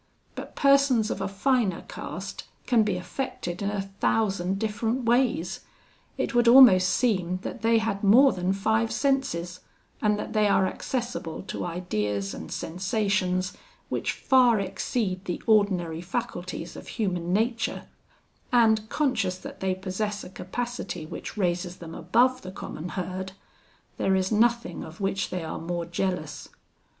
But persons of a finer cast can be affected in a thousand different ways; it would almost seem that they had more than five senses, and that they are accessible to ideas and sensations which far exceed the ordinary faculties of human nature; and, conscious that they possess a capacity which raises them above the common herd, there is nothing of which they are more jealous.